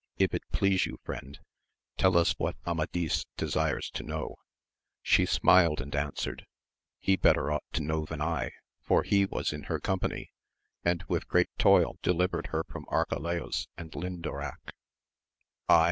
If it please you friend, tell us what Amadis desires to know ! She smiled and answered. He better ought to know than I, for he was in her company, and with great toil delivered her from Arca laus and Lindoraque. I